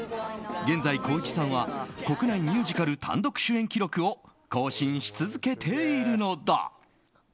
現在、光一さんは国内ミュージカル単独主演記録を更新し続けているのだ。